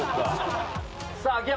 さあ秋山